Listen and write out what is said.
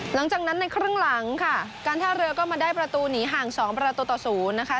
หลังจากนั้นในครึ่งหลังค่ะการท่าเรือก็มาได้ประตูหนีห่าง๒ประตูต่อ๐นะคะ